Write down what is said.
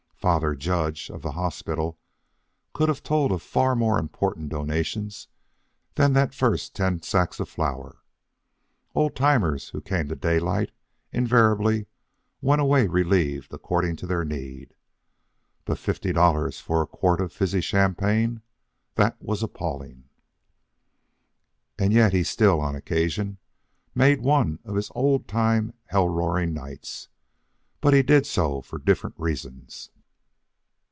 Father Judge, of the hospital, could have told of far more important donations than that first ten sacks of flour. And old timers who came to Daylight invariably went away relieved according to their need. But fifty dollars for a quart of fizzy champagne! That was appalling. And yet he still, on occasion, made one of his old time hell roaring nights. But he did so for different reasons.